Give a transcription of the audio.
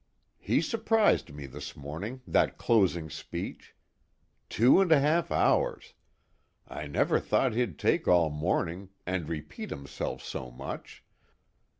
"He surprised me this morning, that closing speech. Two and a half hours. I never thought he'd take all morning, and repeat himself so much.